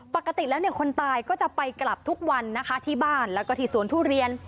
ปกติแล้วเนี่ยคนตายก็จะไปกลับทุกวันนะคะที่บ้านแล้วก็ที่สวนทุเรียน